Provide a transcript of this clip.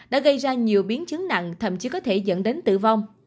đã gây ra nhiều biến chứng nặng thậm chí có thể dẫn đến tử vong